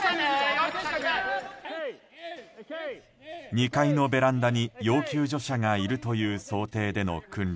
２階のベランダに要救助者がいるという想定での訓練。